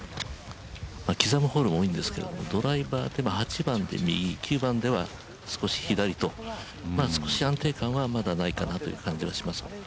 既存のホールが多いんですが、ドライバー８番では右、９番では少し左と、少し安定感はまだないかなという感じです。